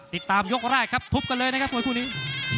ติดตามยกแรกครับทุบกันเลยนะครับมวยคู่นี้